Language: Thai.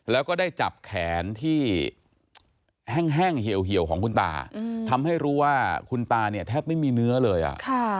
แล้วก็ได้จับแขนที่แห้งเหี่ยวของคุณตาทำให้รู้ว่าคุณตาเนี่ยแทบไม่มีเนื้อเลยอ่ะ